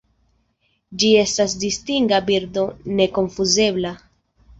Ĝi estas distinga birdo nekonfuzebla.